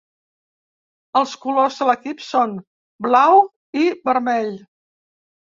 Els colors de l'equip són blau i vermell.